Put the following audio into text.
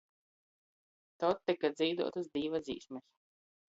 Tod tyka dzīduotys "Dīva dzīsmis".